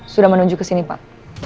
sudah menuju ke sini pak